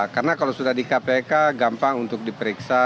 karena kalau sudah di kpk gampang untuk diperiksa